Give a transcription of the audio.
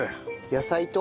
野菜と。